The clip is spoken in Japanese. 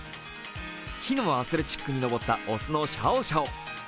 木のアスレチックに登った推すのシャオシャオ。